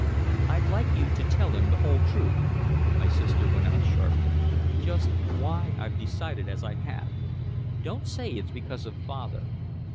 "I'd like you to tell him the whole truth," my sister went on sharply, "just why I've decided as I have. Don't say it's because of father.